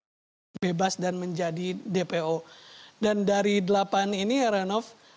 sudah ditahan sementara tiga masih bebas dan menjadi dpo dan dari delapan ini ranoff